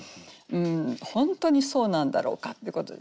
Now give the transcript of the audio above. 「本当にそうなんだろうか？」ってことですね。